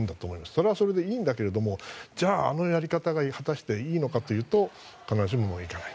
それはそれでいいんだけれどもじゃああのやり方が果たしていいのかというと必ずしもそうではない。